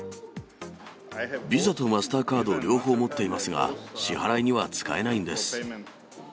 ビザとマスターカード両方持っていますが、支払いには使えないんです。